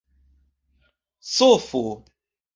sofo